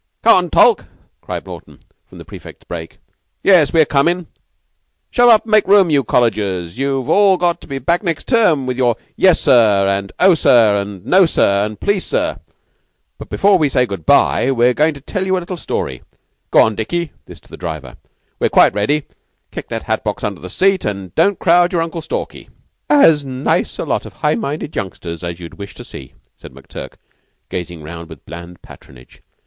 "Come on, Tulke,' cried Naughten, from the prefects' brake. "Yes, we're comin'. Shove up and make room, you Collegers. You've all got to be back next term, with your 'Yes, sir,' and 'Oh, sir,' an' 'No sir' an' 'Please sir'; but before we say good by we're going to tell you a little story. Go on, Dickie" (this to the driver); "we're quite ready. Kick that hat box under the seat, an' don't crowd your Uncle Stalky." "As nice a lot of high minded youngsters as you'd wish to see," said McTurk, gazing round with bland patronage.